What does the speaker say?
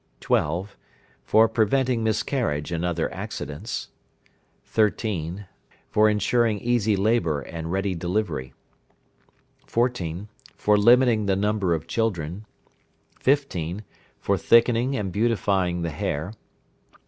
12. For preventing miscarriage and other accidents. 13. For ensuring easy labour and ready deliverance. 14. For limiting the number of children. 15. For thickening and beautifying the hair.